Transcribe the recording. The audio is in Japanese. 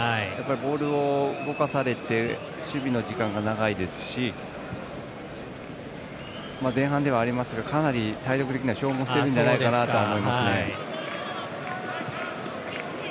ボールを動かされて守備の時間が長いですし前半ではありますがかなり体力的には消耗しているんじゃないかなと思いますね。